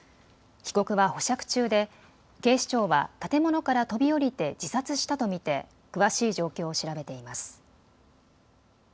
被告は保釈中で警視庁は建物から飛び降りて自殺したと見て詳しい状況を調べています。